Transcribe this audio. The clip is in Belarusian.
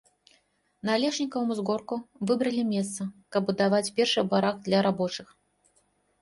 На алешнікавым узгорку выбралі месца, каб будаваць першы барак для рабочых.